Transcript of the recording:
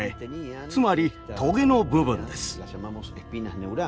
つまりトゲの部分です。